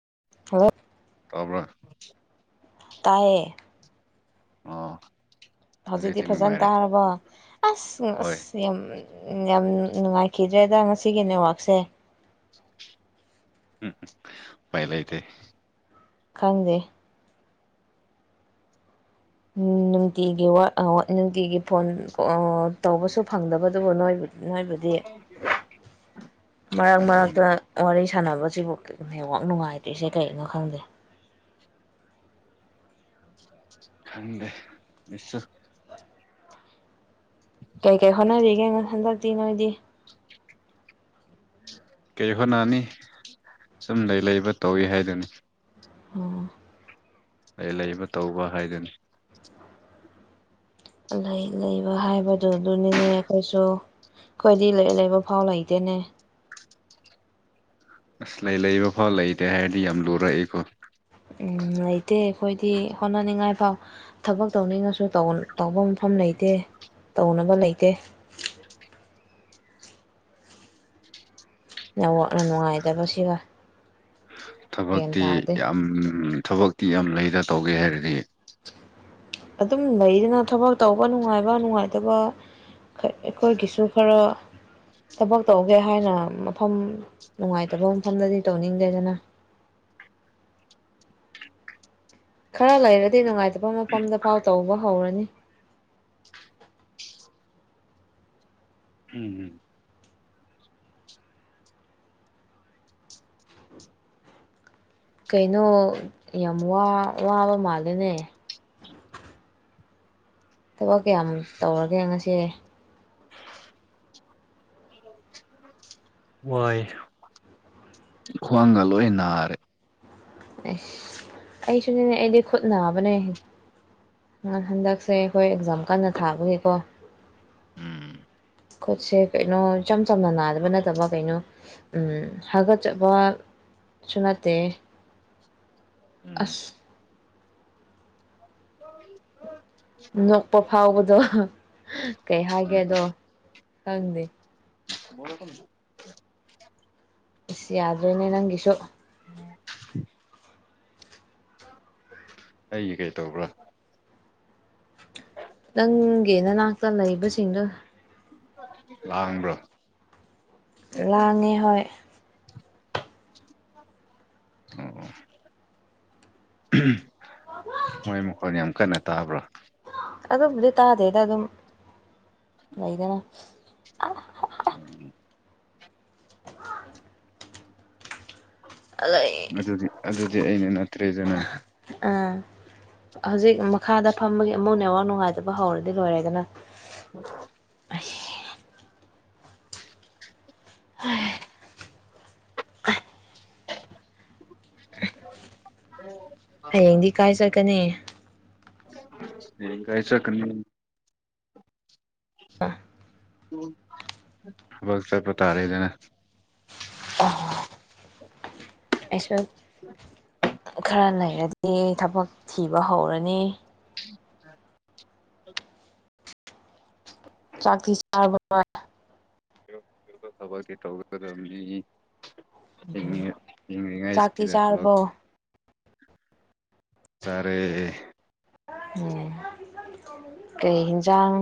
[unintelligible] ꯇꯕ꯭ꯔꯥ ꯇꯥꯏꯌꯦ ꯑꯣ ꯍꯧꯖꯤꯛꯇꯤ ꯐꯖꯟ ꯇꯔꯕꯣ ꯑꯁ ꯍꯣꯏ ꯑꯁ ꯌꯥꯝ ꯌꯥꯝ ꯅꯨꯡꯉꯥꯏꯈꯤꯗ꯭ꯔꯦꯗ ꯉꯁꯤꯒꯤ ꯅꯦꯠꯋꯥꯛꯁꯦ ꯎꯄꯥꯏ ꯂꯩꯇꯦ ꯈꯪꯗꯦ ꯎꯝ ꯅꯨꯡꯇꯤꯒꯤ ꯋꯥꯠ ꯑꯋꯥ ꯅꯨꯡꯇꯤꯒꯤ ꯐꯣꯟ ꯑꯥ ꯇꯧꯕꯁꯨ ꯐꯪꯗꯕꯗꯨꯕꯨ ꯅꯣꯏ ꯅꯣꯏꯕꯨꯗꯤ ꯃꯔꯛ ꯑꯗꯨꯅꯤ ꯃꯔꯛꯇ ꯋꯥꯔꯤ ꯁꯥꯟꯅꯕꯁꯤꯕꯨ ꯅꯦꯠꯋꯥꯛ ꯅꯨꯡꯉꯥꯏꯇ꯭ꯔꯤꯁꯦ ꯀꯩꯒꯤꯅꯣ ꯈꯪꯗꯦ ꯈꯪꯗꯦ ꯃꯤꯁꯨ ꯀꯩꯀꯩ ꯍꯣꯠꯅꯔꯤꯒꯦ ꯍꯟꯗꯛꯇꯤ ꯅꯣꯏꯗꯤ ꯀꯩ ꯍꯣꯠꯅꯅꯤ ꯁꯨꯝ ꯂꯩ ꯂꯩꯕ ꯇꯧꯋꯤ ꯍꯥꯏꯗꯨꯅꯤ ꯑꯣ ꯂꯩ ꯂꯩꯕ ꯇꯧꯕ ꯍꯥꯏꯗꯨꯅꯤ ꯂꯩ ꯂꯩꯕ ꯍꯥꯏꯕꯗꯨ ꯑꯗꯨꯅꯤꯅꯦ ꯑꯩꯈꯣꯏꯁꯨ ꯑꯩꯈꯣꯏꯗꯤ ꯂꯩ ꯂꯩꯕ ꯐꯥꯎ ꯂꯩꯇꯦꯅꯦ ꯑꯁ ꯂꯩ ꯂꯩꯕ ꯐꯥꯎ ꯂꯩꯇꯦ ꯍꯥꯏꯔꯗꯤ ꯌꯥꯝ ꯂꯨꯔꯛꯑꯦꯀꯣ ꯎꯝ ꯂꯩꯇꯦ ꯑꯩꯈꯣꯏꯗꯤ ꯍꯣꯠꯅꯅꯤꯡꯉꯥꯏ ꯐꯥꯎ ꯊꯕꯛ ꯇꯧꯅꯤꯡꯉꯁꯨ ꯇꯧꯕ ꯃꯐꯝ ꯂꯩꯇꯦ ꯂꯩꯇꯦ ꯇꯧꯅꯕ ꯂꯩꯇꯦ ꯅꯦꯠꯋꯥꯛꯅ ꯅꯨꯡꯉꯥꯏꯇꯕꯁꯤꯒ ꯒ꯭ꯌꯥꯟ ꯊꯕꯛꯇꯤ ꯇꯥꯗꯦ ꯌꯥꯝ ꯊꯕꯛꯇꯤ ꯌꯥꯝ ꯂꯩꯗ ꯇꯧꯒꯦ ꯍꯥꯏꯔꯗꯤ ꯑꯗꯨꯝ ꯂꯩꯗꯅ ꯊꯕꯛ ꯇꯧꯕ ꯅꯨꯡꯉꯥꯏꯕ ꯅꯨꯡꯉꯥꯏꯇꯕ ꯑꯩꯈꯣꯏꯒꯤꯁꯨ ꯈꯔ ꯊꯕꯛ ꯇꯧꯒꯦ ꯍꯥꯏꯅ ꯃꯐꯝ ꯅꯨꯡꯉꯥꯏꯇꯕ ꯃꯐꯝꯗꯗꯤ ꯇꯧꯅꯤꯡꯗꯦꯗꯅ ꯈꯔ ꯂꯩꯔꯗꯤ ꯅꯨꯡꯉꯥꯏꯇꯕ ꯃꯐꯝꯗ ꯐꯥꯎ ꯇꯧꯕ ꯍꯧꯔꯅꯤ [inaudible] ꯀꯩꯅꯣ ꯌꯥꯝ ꯋꯥꯕ ꯃꯥꯜꯂꯦꯅꯦ ꯊꯕꯛ ꯀꯌꯥꯝ ꯇꯧꯔꯒꯦ ꯉꯁꯤꯒꯤ ꯍꯣꯏ ꯈ꯭ꯋꯥꯡꯒ ꯂꯣꯏ ꯅꯥꯔꯦ ꯑꯁ ꯑꯩꯁꯨꯅꯤꯅꯦ ꯑꯩꯗꯤ ꯈꯨꯠ ꯅꯥꯕꯅꯦ ꯅꯥꯟ ꯍꯟꯗꯛꯁꯦ ꯑꯩꯈꯣꯏ ꯑꯦꯛꯖꯥꯝ ꯀꯟꯅ ꯊꯥꯕꯒꯤꯀꯣ ꯎꯝ ꯈꯨꯠꯁꯦ ꯀꯩꯅꯣ ꯏꯆꯝ ꯆꯝꯅ ꯅꯥꯗꯕ ꯅꯠꯇꯕ ꯀꯩꯅꯣ ꯍꯥꯒꯠꯆꯕ [inaudible] ꯁꯨ ꯅꯠꯇꯦ ꯎꯝ ꯑꯁ [inaudible] ꯅꯣꯛꯄ ꯐꯥꯎꯕꯗꯣ ꯀꯩ ꯎꯝ ꯍꯥꯏꯒꯦꯗꯣ ꯈꯪꯗꯦ [unintelligible] ꯑꯁ ꯌꯥꯔꯣꯏꯅꯦ ꯅꯪꯒꯤꯁꯨ ꯎꯝ ꯑꯩꯒꯤ ꯀꯩ ꯇꯧꯕ꯭ꯔꯥ [inaudible] ꯅꯪꯒꯤ ꯅꯅꯥꯛꯇ ꯂꯩꯕꯁꯤꯡꯗꯣ ꯂꯥꯡꯕ꯭ꯔꯣ ꯂꯥꯡꯉꯦ ꯍꯣꯏ ꯑꯣ ꯃꯣꯏ ꯃꯈꯣꯟ ꯌꯥꯝ ꯀꯟꯅ ꯇꯥꯕ꯭ꯔꯥ ꯑꯗꯨꯕꯨꯗꯤ ꯇꯥꯗꯦꯗ ꯑꯗꯨꯝ ꯂꯩꯗꯅ ꯎꯝ ꯑꯗꯣ ꯑꯗꯨꯗꯤ ꯑꯗꯨꯗꯤ ꯑꯩꯅ ꯅꯠꯇ꯭ꯔꯦꯗꯅ ꯑꯥ ꯍꯧꯖꯤꯛ ꯃꯈꯥꯗ ꯐꯝꯕꯒꯤ ꯑꯃꯨꯛ ꯅꯦꯋꯥꯛ ꯅꯨꯡꯉꯥꯏꯇꯕ ꯍꯧꯔꯗꯤ ꯂꯣꯏꯔꯦꯗꯅ [inaudible] [inaudible] [inaudible] ꯍꯌꯦꯡꯗꯤ ꯀꯥꯏ ꯆꯠꯀꯅꯤ ꯍꯌꯦꯡ ꯀꯥꯏ ꯆꯠꯀꯅꯤ ꯊꯕꯛ ꯆꯠꯄ ꯇꯥꯔꯦꯗꯅ [inaudible] ꯑꯩꯁꯨ ꯈꯔ ꯂꯩꯔꯗꯤ ꯊꯕꯛ ꯊꯤꯕ ꯍꯧꯔꯅꯤ [inaudible] ꯆꯥꯛꯇꯤ ꯁꯆꯥꯔꯕꯣ ꯅꯣꯏ [unintelligible] ꯅꯤ ꯍꯤꯡꯂꯤꯉꯩ ꯆꯥꯛꯇꯤ ꯍꯤꯡꯂꯤꯉꯩꯁꯤꯗ ꯊꯕꯛ ꯆꯥꯔꯕꯣ ꯆꯥꯔꯦ ꯎꯝ ꯀꯔꯤ ꯍꯤꯟꯖꯥꯡ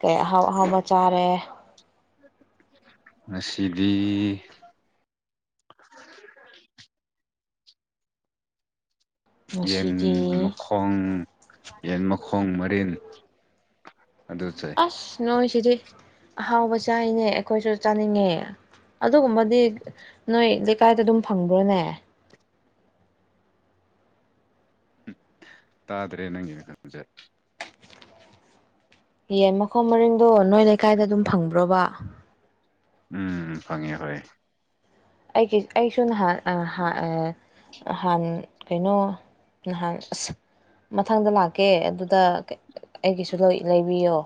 ꯀꯩ ꯑꯍꯥꯎ ꯑꯍꯥꯎꯕ ꯆꯥꯔꯦ ꯉꯁꯤꯗꯤ [inaudible] ꯌꯦꯟ ꯉꯁꯤꯗꯤ ꯃꯈꯣꯡ ꯌꯦꯟ ꯃꯈꯣꯡ ꯃꯔꯤꯟ ꯑꯗꯨ ꯆꯥꯏ ꯑꯁ ꯅꯣꯏꯁꯤꯗꯤ ꯑꯍꯥꯎꯕ ꯆꯥꯏꯅꯦ ꯑꯩꯈꯣꯏꯁꯨ ꯆꯥꯅꯤꯡꯉꯦ ꯑꯗꯨꯒꯨꯝꯕꯗꯤ ꯅꯣꯏ ꯂꯩꯀꯥꯏꯗ ꯑꯗꯨꯝ ꯐꯪꯕ꯭ꯔꯣꯅꯦ ꯇꯥꯗ꯭ꯔꯦ ꯅꯪꯒꯤ ꯅꯈꯣꯟꯖꯦ ꯌꯦꯟ ꯃꯈꯣꯡ ꯃꯔꯤꯡꯗꯣ ꯅꯣꯏ ꯂꯩꯀꯥꯏꯗ ꯑꯗꯨꯝ ꯐꯪꯕ꯭ꯔꯣꯕ ꯎꯝ ꯐꯪꯉꯦ ꯍꯣꯏ ꯑꯩꯒꯤ ꯑꯩꯁꯨ ꯅꯍꯥꯟ ꯍꯥꯟ ꯀꯩꯅꯣ ꯅꯍꯥꯟ ꯑꯁ ꯃꯊꯪꯗ ꯂꯥꯛꯀꯦ ꯑꯗꯨꯗ ꯑꯩꯒꯤꯁꯨ ꯂꯩꯕꯤꯌꯣ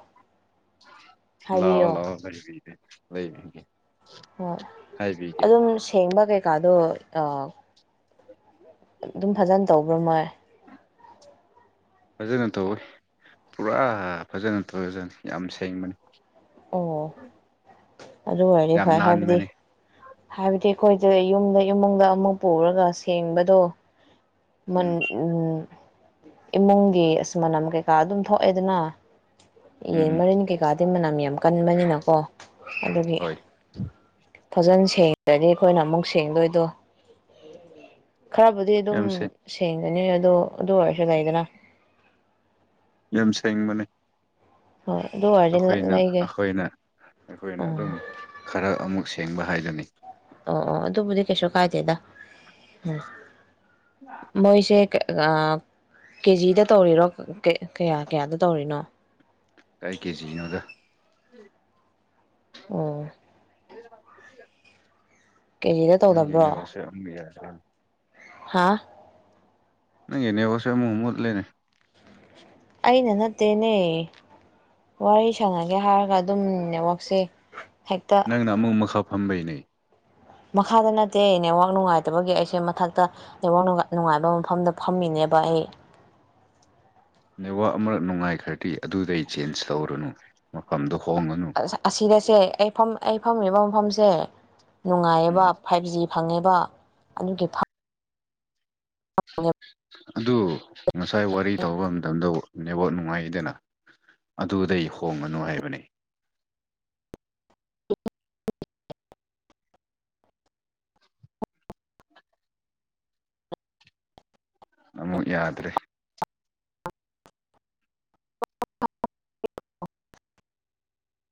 ꯂꯥꯛꯑꯣ ꯍꯥꯏꯕꯤꯌꯣ ꯂꯥꯛꯑꯣ ꯂꯩꯕꯥꯒꯦ ꯂꯩꯕꯤꯒꯦ ꯍꯣꯏ ꯍꯥꯏꯕꯤꯒꯦ ꯑꯗꯨꯝꯅ ꯁꯦꯡꯕ ꯀꯩꯀꯥꯗꯣ ꯑ ꯑꯗꯨꯝ ꯐꯖꯅ ꯇꯧꯕ꯭ꯔꯥ ꯃꯣꯏ ꯐꯖꯅ ꯇꯧꯋꯤ ꯄꯨꯔꯥ ꯐꯖꯅ ꯇꯧꯏꯖꯥꯅꯤ ꯌꯥꯝ ꯁꯦꯡꯕꯅꯤ ꯑꯣ ꯎꯝ ꯑꯗꯨ ꯑꯣꯏꯔꯦ ꯐꯔꯦ ꯍꯥꯏꯕꯗꯤ ꯍꯥꯏꯕꯗꯤ ꯑꯩꯈꯣꯏꯁꯦ ꯌꯨꯝꯗ ꯏꯃꯨꯡꯗ ꯑꯃꯨꯛ ꯄꯨꯔꯒ ꯁꯦꯡꯕꯗꯣ ꯃꯟ ꯎꯝ ꯎꯝ ꯏꯃꯨꯡꯒꯤ ꯑꯁ ꯃꯅꯝ ꯀꯩꯀꯥ ꯑꯗꯨꯝ ꯊꯣꯛꯑꯦꯗꯅ ꯎꯝ ꯌꯦꯟ ꯎꯝ ꯃꯔꯤꯟ ꯀꯩꯀꯥꯗꯤ ꯃꯅꯝ ꯌꯥꯝ ꯀꯟꯕꯅꯤꯅꯀꯣ ꯑꯗꯨꯒꯤ ꯍꯣꯏ ꯐꯖꯅ ꯁꯦꯡꯗ꯭ꯔꯗꯤ ꯑꯩꯈꯣꯏꯅ ꯑꯃꯨꯛ ꯁꯦꯡꯗꯣꯏꯗꯣ ꯈꯔꯕꯨꯗꯤ ꯑꯗꯨꯝ ꯌꯥꯝ ꯁꯦꯡ ꯁꯦꯡꯒꯅꯤ ꯑꯗꯨ ꯑꯗꯨ ꯑꯣꯏꯔꯁꯨ ꯂꯩꯗꯅ ꯌꯥꯝ ꯁꯦꯡꯕꯅꯦ ꯍꯣꯏ ꯑꯗꯨ ꯑꯣꯏꯔꯗꯤ ꯑꯩꯈꯣꯏꯅ ꯂꯩꯒꯦ ꯑꯩꯈꯣꯏꯅ ꯑꯩꯈꯣꯏꯅ ꯎꯝ ꯑꯗꯨꯝ ꯈꯔ ꯑꯃꯨꯛ ꯁꯦꯡꯕ ꯍꯥꯏꯒꯅꯤ ꯑꯣ ꯑꯣ ꯑꯗꯨꯕꯨꯗꯤ ꯀꯩꯁꯨ ꯀꯥꯏꯗꯦꯗ ꯃꯣꯏꯁꯦ ꯀ ꯑ ꯀꯦꯖꯤꯗ ꯇꯧꯔꯤꯔꯣ ꯀꯌꯥ ꯀꯌꯥꯗ ꯇꯧꯔꯤꯅꯣ ꯀꯥꯏ ꯀꯦ ꯖꯤ ꯅꯣꯗ ꯑꯣ ꯀꯦꯖꯤꯗ ꯅꯪꯒꯤ ꯇꯧꯗꯕ꯭ꯔꯣ ꯅꯦꯠꯋꯥꯛꯁꯦ [unintelligible] ꯍꯥꯥ ꯅꯪꯒꯤ ꯅꯦꯋꯥꯛꯁꯦ ꯑꯃꯨꯛ ꯃꯨꯠꯂꯦꯅꯦ ꯑꯩꯅ ꯅꯠꯇꯦꯅꯦ ꯋꯥꯔꯤ ꯁꯥꯟꯅꯒꯦ ꯍꯥꯏꯔ ꯑꯗꯨꯝ ꯅꯦꯠꯋꯥꯛꯁꯦ ꯍꯦꯛꯇ ꯅꯪꯅ ꯑꯃꯨꯛ ꯃꯈꯥ ꯐꯝꯕꯩꯅꯦ ꯃꯈꯥꯗ ꯅꯠꯇꯦ ꯅꯦꯋꯥꯛ ꯅꯨꯡꯉꯥꯏꯇꯕꯒꯤ ꯑꯩꯁꯦ ꯃꯊꯛꯇ ꯅꯦꯋꯥꯛ ꯅꯨꯡꯉꯥꯏꯕ ꯃꯐꯝꯗ ꯐꯝꯃꯤꯅꯦ ꯂꯩꯕ ꯑꯩ ꯅꯦꯠꯋꯥꯛ ꯑꯃꯔꯛ ꯅꯨꯡꯉꯥꯏꯈ꯭ꯔꯗꯤ ꯑꯗꯨꯗꯩ ꯆꯦꯟꯖ ꯇꯧꯔꯨꯅꯨ ꯃꯐꯝꯗꯣ ꯍꯣꯡꯉꯅꯨ ꯑꯁꯤꯗꯁꯦ ꯑꯩ ꯑꯩ ꯐꯝꯃꯤꯕ ꯃꯐꯝꯁꯦ ꯅꯨꯡꯉꯥꯏꯕ ꯎꯝ ꯐꯥꯏꯚ ꯖꯤ ꯐꯪꯉꯦꯕ ꯑꯗꯨꯒꯤ ꯐꯛ ꯑꯗꯨ ꯉꯁꯥꯏ ꯋꯥꯔꯤ ꯇꯧꯕ ꯃꯇꯝꯗ ꯅꯦꯠꯋꯥꯛ ꯅꯨꯡꯉꯥꯏꯗꯅ ꯑꯗꯨꯗꯩ ꯍꯣꯡꯒꯅꯨ ꯍꯥꯏꯕꯅꯦ ꯑꯃꯨꯛ ꯌꯥꯗ꯭ꯔꯦ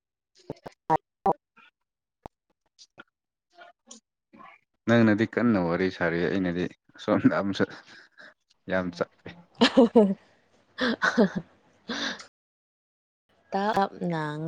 [inaudible] [unintelligible] ꯎꯝ ꯅꯪꯅꯗꯤ ꯀꯟꯅ ꯋꯥꯔꯤ ꯁꯥꯔꯤ ꯑꯩꯅꯗꯤ ꯁꯣꯝꯗ ꯑꯁꯨ ꯌꯥꯝ ꯆꯞ [unintelligible] ꯇꯞ ꯉꯥꯡ